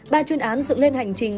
ba chuyên án dựng lên hành trình